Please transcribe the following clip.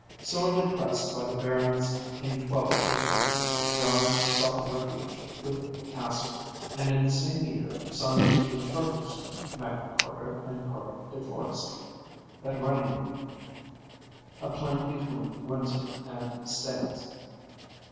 Sorely pressed by the barons in 1215, John sought refuge within the castle, and in the same year signed the two charters, Magna Charta and Charta de Foresta, at Runnymede a plain between Windsor and Staines.